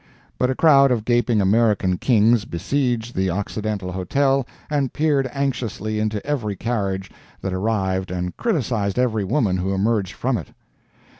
But a crowd of gaping American kings besieged the Occidental Hotel and peered anxiously into every carriage that arrived and criticised every woman who emerged from it.